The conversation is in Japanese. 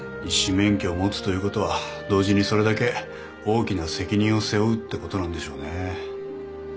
医師免許を持つということは同時にそれだけ大きな責任を背負うってことなんでしょうね。